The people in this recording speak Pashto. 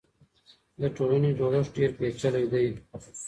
د ټولنې جوړښت ډېر پېچلی دی.